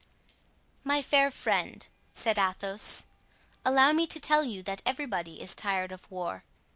"My fair friend," said Athos, "allow me to tell you that everybody is tired of war.